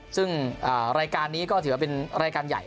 ซึ่งรายการนี้ก็ถือว่าเป็นรายการใหญ่